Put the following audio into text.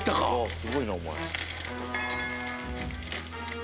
すごいなお前。